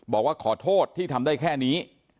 บอกว่าขอโทษที่ทำได้แค่นี้